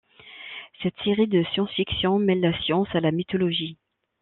Cette série de science-fiction mêle la science à la mythologie.